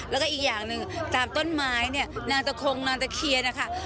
แล้วก็อีกอย่างหนึ่งตามต้นไม้เนี่ยนางตะคงนางตะเคียนนะคะ